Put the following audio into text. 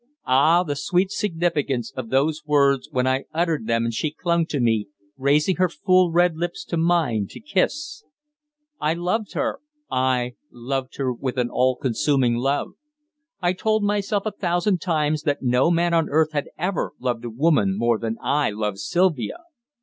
Ah! the sweet significance of those words when I uttered them and she clung to me, raising her full red lips to mine to kiss. I loved her aye, loved her with an all consuming love. I told myself a thousand times that no man on earth had ever loved a woman more than I loved Sylvia.